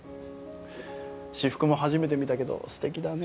私服も初めて見たけどすてきだね。